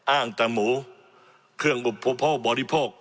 อ้างแต่หมูเครื่องบริโภค